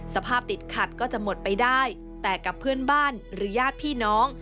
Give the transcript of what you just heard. สภาพติดขัดก็จะหมดไปได้แต่กับเพื่อนบ้านหรือญาติพี่น้อง